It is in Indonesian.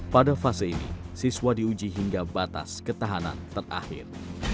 pada fase ini siswa diuji hingga batas ketahanan terakhir